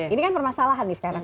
ini kan permasalahan nih sekarang